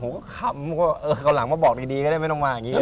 โหก็ค่ำเออเอาหลังมาบอกดีก็ได้ไม่ต้องมาอย่างนี้ก็ได้